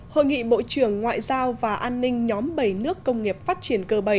hội nghị bộ trưởng ngoại giao và an ninh nhóm bảy nước công nghiệp phát triển g bảy